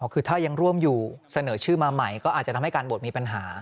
คือถ้ายังร่วมอยู่เสนอชื่อมาใหม่ก็อาจจะทำให้การโหวตมีปัญหา